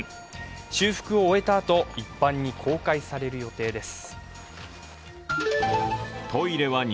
修復を終えたあと、一般に公開される予定です。